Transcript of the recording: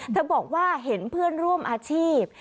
บอกว่าเห็นเพื่อนร่วมอาชีพ